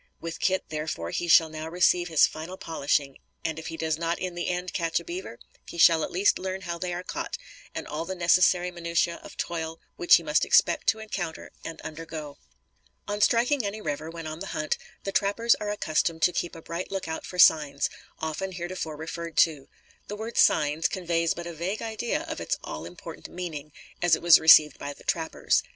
With Kit therefore he shall now receive his final polishing, and if he does not in the end catch a beaver, he shall at least learn how they are caught, and all the necessary minutiæ of toil which he must expect to encounter and undergo. On striking any river, when on the hunt, the trappers are accustomed to keep a bright lookout for signs, often heretofore referred to. The word "signs" conveys but a vague idea of its all important meaning, as it was received by the trappers.